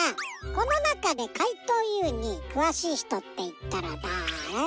このなかでかいとうＵにくわしいひとっていったらだあれ？